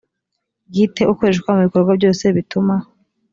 bwite ukoreshwa mu bikorwa byose bituma